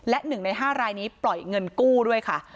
และหนึ่งในห้ารายนี้ปล่อยเงินกู้ด้วยค่ะ